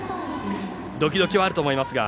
ドキドキはあると思いますが。